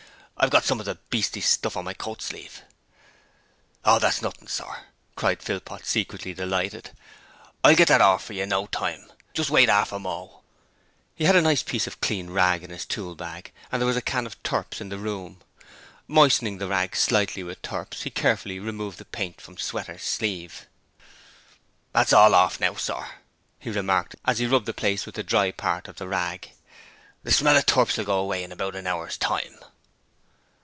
'I've got some of the beastly stuff on my coat sleeve.' 'Oh, that's nothing, sir,' cried Philpot, secretly delighted. 'I'll get that orf for yer in no time. You wait just 'arf a mo!' He had a piece of clean rag in his tool bag, and there was a can of turps in the room. Moistening the rag slightly with turps he carefully removed the paint from Sweater's sleeve. 'It's all orf now, sir,' he remarked, as he rubbed the place with a dry part of the rag. 'The smell of the turps will go away in about a hour's time.'